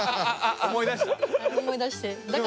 思い出した？